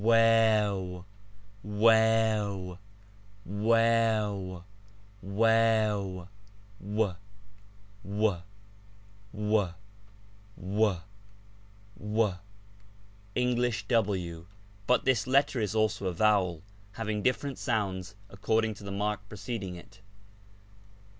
j Wau; 10, „ to, but this letter is also a rowel, having different sounds according to the mark preceding it.